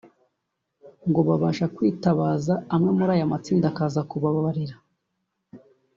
ngo babasha kwitabaza amwe muri aya matsinda akaza kubaririra